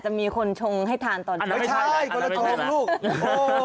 จะมีคนชงให้ทานตอนอันไม่ใช่ไม่ใช่ล่ะคนละชงลูกโอ้